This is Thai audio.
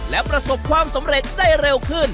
และประสบความสำเร็จได้เร็วขึ้น